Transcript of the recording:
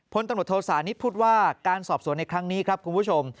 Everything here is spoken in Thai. พลตำรวจโทษานิทพูดว่าการสอบสวนในครั้งนี้ครับคุณผู้ชม